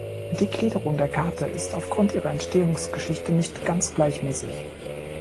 Die Gliederung der Karte ist aufgrund ihrer Entstehungsgeschichte nicht ganz gleichmäßig.